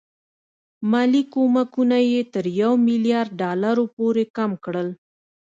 مالي کومکونه یې تر یو میلیارډ ډالرو پورې کم کړل.